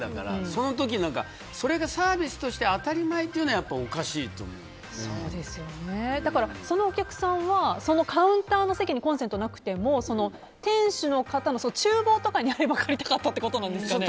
その時にそれがサービスとして当たり前というのはだから、そのお客さんはそのカウンターの席にコンセントがなくても店主の方の厨房とかにあれば借りたかったってことなんですかね。